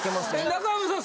中山さん